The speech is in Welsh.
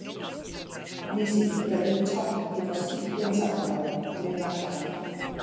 Nes i brynu top hefo sequins arno fo i fynd allan.